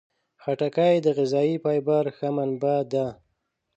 خټکی د غذايي فایبر ښه منبع ده.